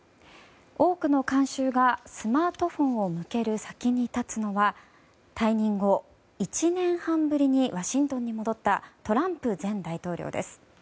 多くの観衆がスマートフォンを向ける先に立つのは退任後、１年半ぶりにワシントンに戻ったトランプ前大統領です。